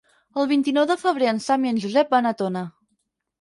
El vint-i-nou de febrer en Sam i en Josep van a Tona.